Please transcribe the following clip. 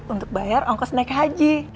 untuk bayar ongkos naik haji